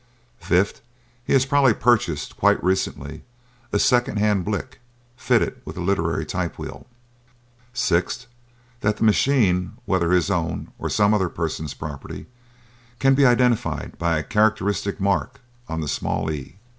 "Fifth: He has probably purchased, quite recently, a second hand 'Blick' fitted with a literary typewheel. "Sixth: That machine, whether his own or some other person's property, can be identified by a characteristic mark on the small 'e.'